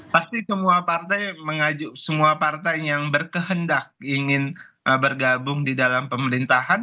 pasti semua partai yang berkehendak ingin bergabung di dalam pemerintahan